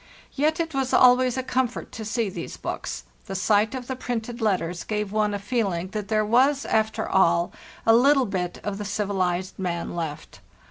Yet it was always a comfort to see these books; the sight of the printed letters gave one a feeling that there was, after all, a little bit of the civilized man left.